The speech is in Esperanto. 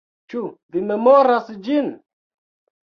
Ĉu vi memoras ĝin?